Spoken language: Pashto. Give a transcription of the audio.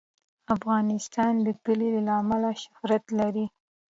افغانستان د کلي له امله شهرت لري.